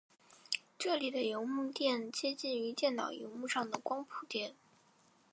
这里的萤幕靛接近于电脑萤幕上的光谱靛。